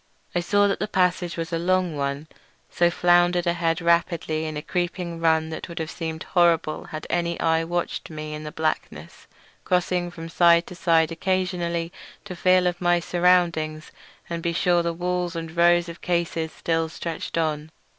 I saw that the passage was a long one, so floundered ahead rapidly in a creeping run that would have seemed horrible had any eye watched me in the blackness; crossing from side to side occasionally to feel of my surroundings and be sure the walls and rows of cases still stretched on.